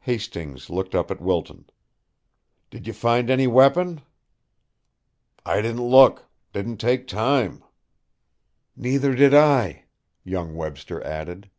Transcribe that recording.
Hastings looked up to Wilton. "Did you find any weapon?" "I didn't look didn't take time." "Neither did I," young Webster added.